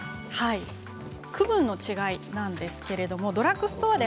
区分の違いなんですけれどドラッグストアで